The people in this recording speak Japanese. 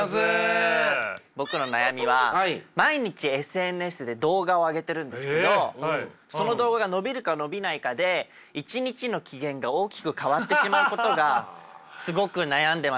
僕の悩みは毎日ＳＮＳで動画を上げてるんですけどその動画が伸びるか伸びないかで一日の機嫌が大きく変わってしまうことがすごく悩んでます。